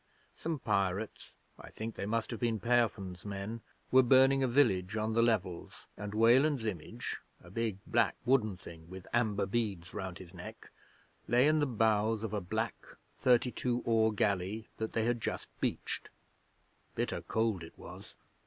Some pirates I think they must have been Peofn's men were burning a village on the Levels, and Weland's image a big, black wooden thing with amber beads round his neck lay in the bows of a black thirty two oar galley that they had just beached. Bitter cold it was!